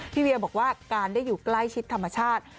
เวียบอกว่าการได้อยู่ใกล้ชิดธรรมชาติ